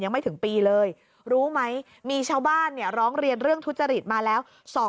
ยังไม่ถึงปีเลยรู้ไหมมีชาวบ้านเนี่ยร้องเรียนเรื่องทุจริตมาแล้ว